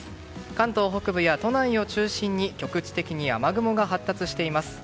関東北部や都内を中心に局地的に雨雲が発達しています。